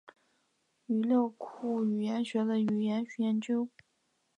语料库语言学的语言研究。